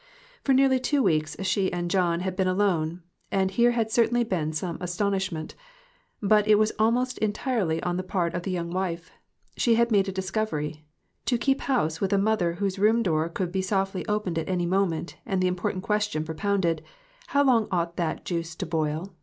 For nearly two weeks she and John had been alone, and there had certainly been some aston ishment, but it was almost entirely on the part of the young wife. She had made a discovery ; to keep house with a mother whose room door could be softly opened at any moment and the import ant question propounded, " How long ought that juice to boil